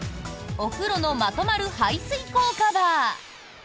おふろのまとまる排水口カバー。